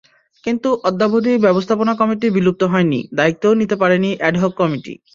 কিন্তু অদ্যাবধি ব্যবস্থাপনা কমিটি বিলুপ্ত হয়নি, দায়িত্বও নিতে পারেনি অ্যাডহক কমিটি।